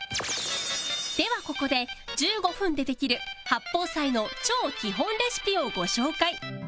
ではここで１５分でできる八宝菜の超基本レシピをご紹介